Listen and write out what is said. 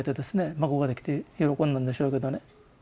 孫ができて喜んだんでしょうけどね。